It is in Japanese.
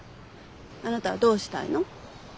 あなたはどうしたいの？